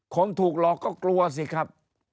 คนถูกหลอกก็กลัวสิครับ